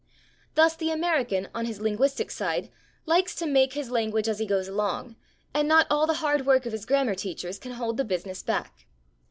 Thus the American, on his linguistic side, likes to make his language as he goes along, and not all the hard work of his grammar teachers can hold the business back.